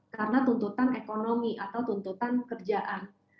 karena tuntutan ekonomi atau tuntutan kerjaan